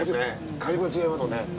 火力が違いますもんね。